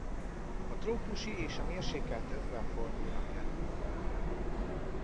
A trópusi és a mérsékelt övben fordulnak elő.